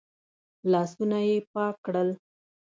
لاسونه يې پاک کړل.